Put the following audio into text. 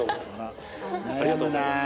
ありがとうございます。